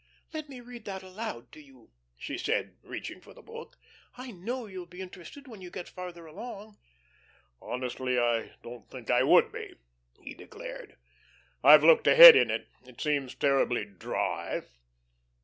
"Let me read that aloud to you," she said, reaching for the book. "I know you'll be interested when you get farther along." "Honestly, I don't think I would be," he declared. "I've looked ahead in it. It seems terribly dry.